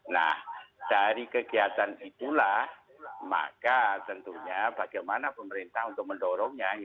nah dari kegiatan itulah maka tentunya bagaimana pemerintah untuk mendorongnya